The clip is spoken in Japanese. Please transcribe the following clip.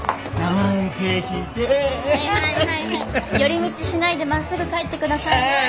寄り道しないでまっすぐ帰ってくださいね。